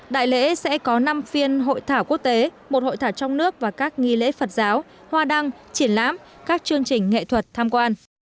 đại lễ sẽ có năm phiên hội thảo quốc tế một hội thảo trong nước và các nghi lễ phật giáo hoa đăng triển lãm các chương trình nghệ thuật tham quan